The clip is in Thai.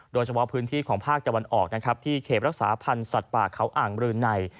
โดยเฉพาะพื้นที่ของภาคตะวันออกนะครับที่เขตรักษาพันธ์สัตว์ป่าเขาอ่างบรือใน